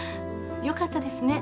よかったですね。